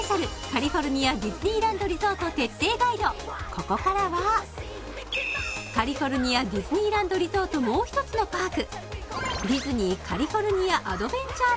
ここからはカリフォルニアディズニーランド・リゾートもう一つのパーク